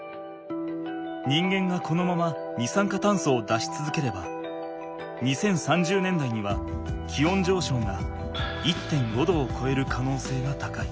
人間がこのまま二酸化炭素を出しつづければ２０３０年代には気温じょうしょうが１．５℃をこえるかのうせいが高い。